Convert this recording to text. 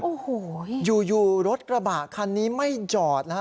โอ้โหอยู่รถกระบะคันนี้ไม่จอดนะฮะ